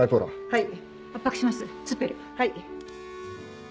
はい。